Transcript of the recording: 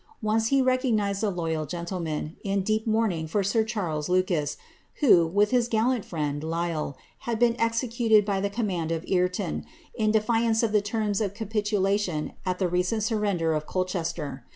Once he recognised a loyal ^nileman. in deep mourning for sir Charles Lucas, who, with his tral "!it IrieiiiL Lisle, had been executed by the command of Ireton, in de ■ virp of the terms of capitulation at the recent surrender of Colchester.